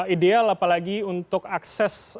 ideal apalagi untuk akses